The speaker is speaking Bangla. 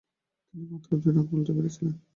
তিনি মাত্র দুই রান তুলতে পেরেছিলেন।